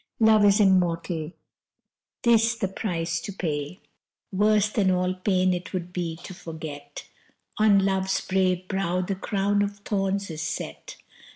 Love is immortal: this the price to pay. Worse than all pain it would be to forget On Love's brave brow the crown of thorns is set.